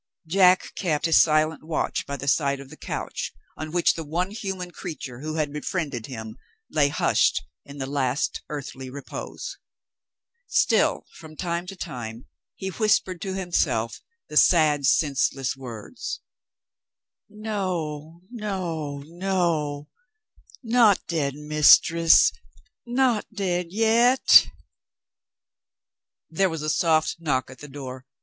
Jack kept his silent watch by the side of the couch, on which the one human creature who had befriended him lay hushed in the last earthly repose. Still, from time to time, he whispered to himself the sad senseless words, "No, no, no not dead, Mistress! Not dead yet!" There was a soft knock at the door.